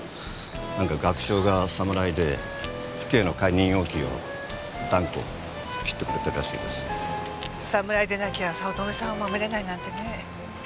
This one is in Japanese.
なんか学長がサムライで父兄の解任要求を断固切ってくれてるらしいです。サムライでなきゃ早乙女さんを守れないなんてね。